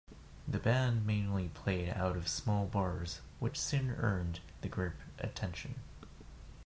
The band mainly played out small bars which soon earned the group attention.